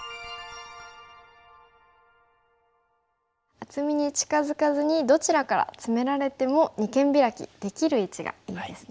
厚みに近づかずにどちらからツメられても二間ビラキできる位置がいいですね。